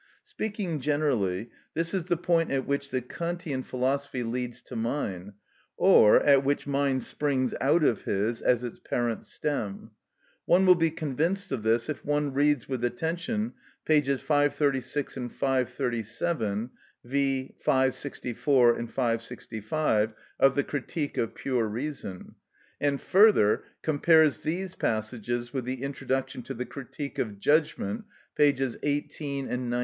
Speaking generally, this is the point at which the Kantian philosophy leads to mine, or at which mine springs out of his as its parent stem. One will be convinced of this if one reads with attention pp. 536 and 537; V. 564 and 565, of the "Critique of Pure Reason," and, further, compares these passages with the introduction to the "Critique of Judgment," pp. xviii. and xix.